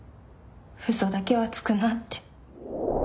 嘘だけはつくなって。